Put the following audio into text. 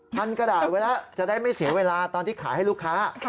กระดาษไว้แล้วจะได้ไม่เสียเวลาตอนที่ขายให้ลูกค้า